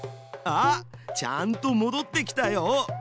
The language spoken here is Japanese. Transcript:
あっちゃんともどってきたよ。